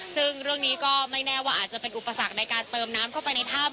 ซึ่งเรื่องนี้ก็ไม่แน่ว่าอาจจะเป็นอุปสรรคในการเติมน้ำเข้าไปในถ้ำ